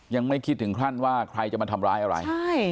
ยังไม่คิดถึงขั้นว่าใครจะมาทำร้ายอะไร